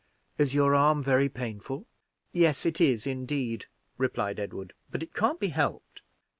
"Is your arm very painful?" "Yes, it is, indeed," replied Edward; "but it can't be helped."